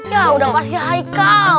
yaudah pasti haikal